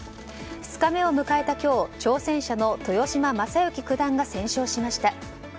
２日目を迎えた今日挑戦者の豊島九段が先勝しました。